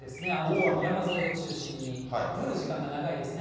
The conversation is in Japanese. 特に山沿いを中心に、降る時間が長いですね。